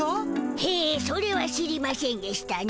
へえそれは知りましぇんでしたな。